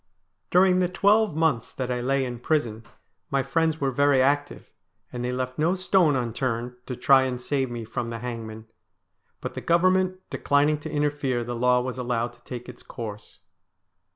During the twelve months THE STORY OF A HANGED MAN 273 that I lay in prison my friends were very active, and they left no stone unturned to try and save me from the hangman ; but the Government declining to interfere the law was allowed to take its course.